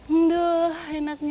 enduh enaknya wanginya